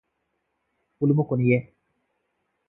పులుముకొనియె